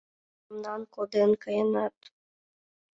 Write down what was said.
Мемнам коден каенат.